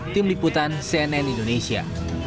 tim liputan cnn indonesia